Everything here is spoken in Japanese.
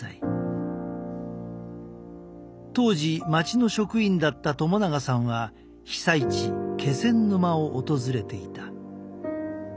当時町の職員だった友永さんは被災地気仙沼を訪れていた。